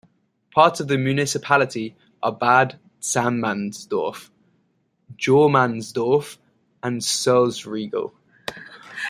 Parts of the municipality are Bad Tatzmannsdorf, Jormannsdorf, and Sulzriegel.